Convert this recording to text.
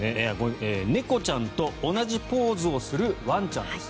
猫ちゃんと同じポーズをするワンちゃんです。